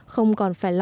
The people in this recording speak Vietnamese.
không còn phải lo